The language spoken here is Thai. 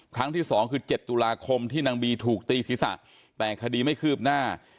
ครั้งที่๒คือ๗ตุลาคมที่นางบีถูกตีศีรษะแต่คดีไม่คืบหน้า